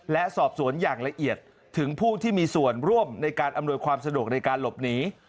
และสอบสวนอย่างละเอียดถึงผู้ที่มีส่วนร่วมในการอำนวยความสะดวกในการหลบหนี